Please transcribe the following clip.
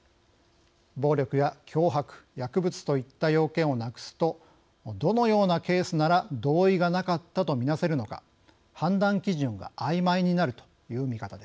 暴力や脅迫薬物といった要件をなくすとどのようなケースなら同意がなかったとみなせるのか判断基準があいまいになるという見方です。